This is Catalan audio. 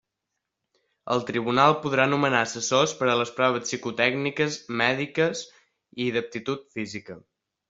El tribunal podrà nomenar assessors per a les proves psicotècniques, mèdiques i d'aptitud física.